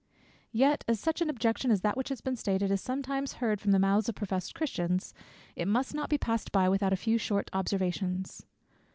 Yet, as such an objection as that which has been stated is sometimes heard from the mouths of professed Christians, it must not be passed by without a few short observations.